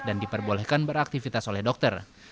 dan diperbolehkan beraktivitas oleh dokter